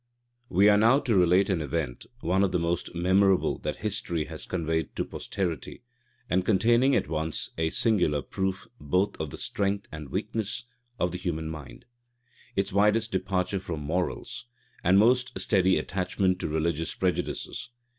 } We are now to relate an event, one of the most memorable that history has conveyed to posterity, and containing at once a singular proof both of the strength and weakness of the human mind; its widest departure from morals, and most steady attachment to religious prejudices.